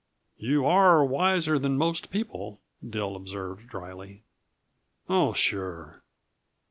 "You are wiser than most people," Dill observed dryly. "Oh, sure.